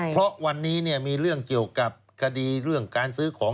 เพราะวันนี้มีเรื่องเกี่ยวกับคดีเรื่องการซื้อของ